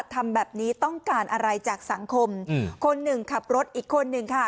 ทำแบบนี้ต้องการอะไรจากสังคมคนหนึ่งขับรถอีกคนหนึ่งค่ะ